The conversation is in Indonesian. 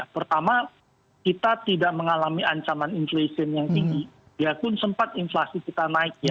pertama kita tidak mengalami ancaman inflation yang tinggi biarpun sempat inflasi kita naik ya